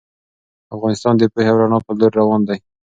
افغانستان د پوهې او رڼا په لور روان دی.